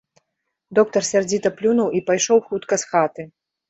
Доктар сярдзіта плюнуў і пайшоў хутка з хаты.